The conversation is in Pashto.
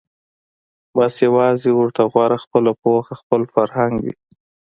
بس یوازي ورته غوره خپله پوهه خپل فرهنګ وي